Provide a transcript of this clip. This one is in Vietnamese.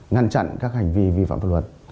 ngăn chặn các hành vi vi phạm pháp luật